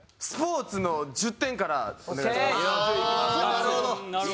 なるほど。